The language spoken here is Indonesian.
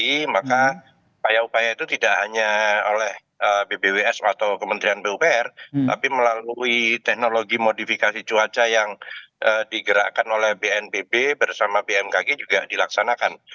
jadi maka upaya upaya itu tidak hanya oleh bpws atau kementerian pupr tapi melalui teknologi modifikasi cuaca yang digerakkan oleh bnpb bersama bmkg juga dilaksanakan